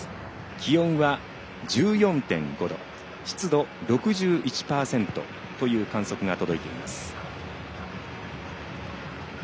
気温は１４．５度湿度６１％という観測が届いています。